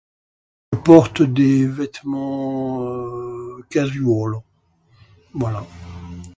...porte des vêtements, euh, casual. Voilà.